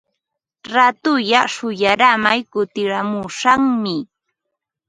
Raatulla shuyaaramay kutiramushaqmi.